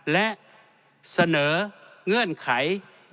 และเสนอเงื่อนไข